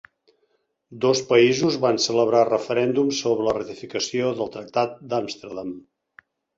Dos països van celebrar referèndums sobre la ratificació del tractat d'Amsterdam.